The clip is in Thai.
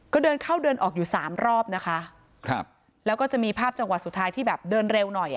ก็เดินเข้าเดินออกอยู่สามรอบนะคะครับแล้วก็จะมีภาพจังหวะสุดท้ายที่แบบเดินเร็วหน่อยอ่ะ